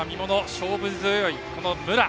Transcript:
勝負強い武良。